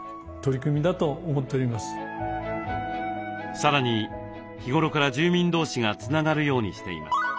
さらに日頃から住民同士がつながるようにしています。